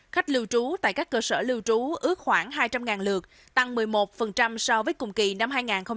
khách lưu trú tại các cơ sở lưu trú ước khoảng hai trăm linh lượt tăng một mươi một so với cùng kỳ năm hai nghìn một mươi tám